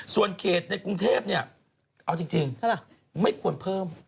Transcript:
ส่วนเขตในกรุงเทพเนี่ยเอาจริงไม่ควรเพิ่ม